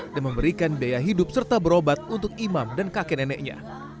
dan memberikan biaya hidup serta berobat untuk imam dan kakek neneknya